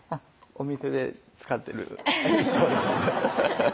お店で使ってる衣装ですフフフフッ